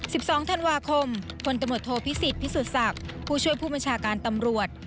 สิบสองธันวาคมพลตำรวจโทษพิสิทธิพิสุทธิศักดิ์ผู้ช่วยผู้บัญชาการตำรวจ